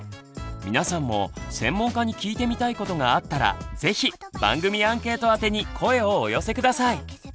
皆さんも専門家に聞いてみたいことがあったら是非番組アンケート宛てに声をお寄せ下さい。